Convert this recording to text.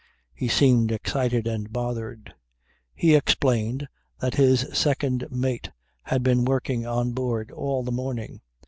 He seemed excited and bothered. He explained that his second mate had been working on board all the morning.